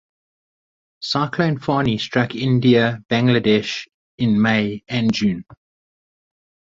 Cyclone Fani struck India and Bangladesh in May and June.